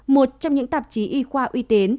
một trong những tạp chí y khoa uy tín